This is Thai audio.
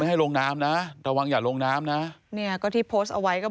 ให้ลงน้ำนะระวังอย่าลงน้ำนะเนี่ยก็ที่โพสต์เอาไว้ก็